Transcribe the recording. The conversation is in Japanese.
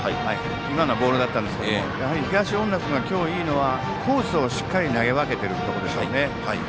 今のはボールだったんですけどやはり東恩納君が今日いいのはコースをしっかり投げ分けていることでしょうね。